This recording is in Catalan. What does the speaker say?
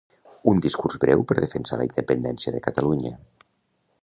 Un discurs breu per defensar la independència de Catalunya